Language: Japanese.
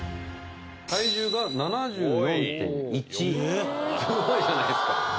体重が７４．１スゴいじゃないですか